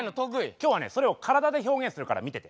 今日はねそれを体で表現するから見てて。